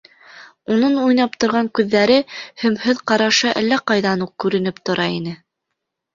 Уның уйнап торған күҙҙәре, һөмһөҙ ҡарашы әллә ҡайҙан уҡ күренеп тора ине.